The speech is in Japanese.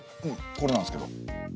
これなんすけど。